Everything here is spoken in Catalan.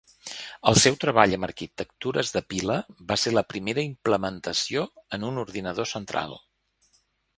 El seu treball amb arquitectures de pila va ser la primera implementació en un ordinador central.